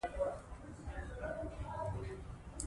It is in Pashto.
سیندونه د افغانستان د ځمکې د جوړښت نښه ده.